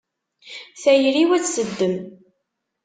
Tayri-w ad tt-teddem.